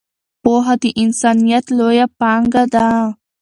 پوهه د انسانیت لویه پانګه ده.